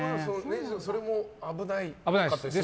それも危なかったりするんですよね。